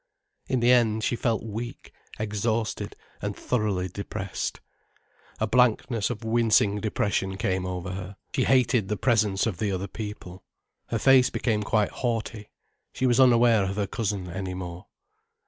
In the end, she felt weak, exhausted and thoroughly depressed. A blankness of wincing depression came over her. She hated the presence of the other people. Her face became quite haughty. She was unaware of her cousin any more.